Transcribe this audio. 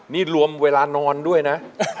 นี่รวมเวลานอนด้วยนะ